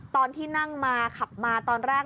ตอนที่นั่งมาขับมาตอนแรก